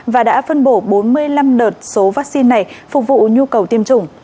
và đã phân bổ bốn mươi năm đợt số vaccine này phục vụ nhu cầu tiêm chủng